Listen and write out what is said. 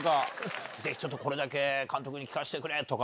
ぜひこれだけ監督に聞かせてくれ！とか。